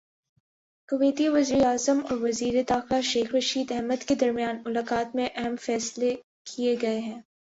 کویتی وزیراعظم اور وزیر داخلہ شیخ رشید احمد کے درمیان ملاقات میں اہم فیصلے کیے گئے ہیں